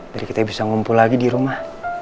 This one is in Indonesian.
kita bisa ngumpul lagi di rumah